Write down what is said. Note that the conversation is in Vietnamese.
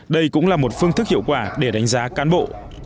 đây cũng là một phương thức hiệu quả để đánh giá cán bộ